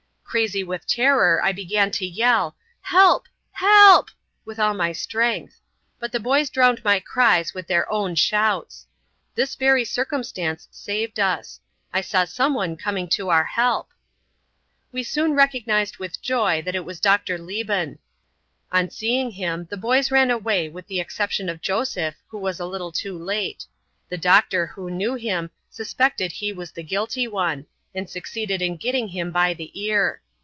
Crazy with terror, I began to yell, "Help! help!" with all my strength; but the boys drowned my cries with their own shouts. This very circumstance saved us. I saw someone coming to our help. We soon recognized with joy that it was Dr. Lebon. On seeing him the boys ran away with the exception of Joseph, who was a little too late. The Doctor, who knew him, suspected he was the guilty one, and succeeded in getting him by the ear.